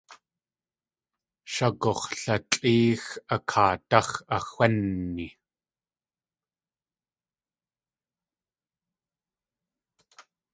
Shagux̲latlʼéex a kaadáx̲ axwénni.